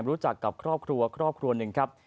รู้จักกับครอบครัวครอบครัวหนึ่งครับ